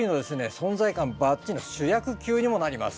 存在感バッチリの主役級にもなります。